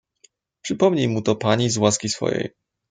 "Przypomnij mu to pani z łaski swojej."